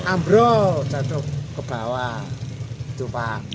ambro jatuh ke bawah gitu pak